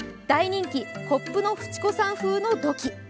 大人気、コップのフチ子さん風の土器。